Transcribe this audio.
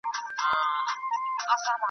قاتل ورک دی له قاضي له عدالته .